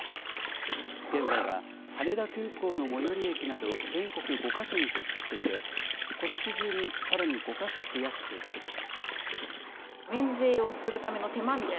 現在は、羽田空港の最寄り駅など、全国５か所に設置していて、ことし中にさらに５か所増やす計画です。